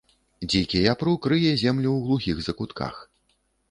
Дзікі япрук рые зямлю ў глухіх закутках.